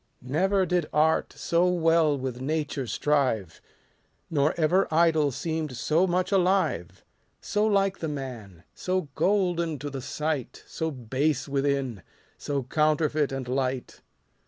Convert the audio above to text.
Never did art so well with nature strive ; Nor ever idol seem'd so much alive : So like the man ; so golden to the sight, So base within, so counterfeit and light.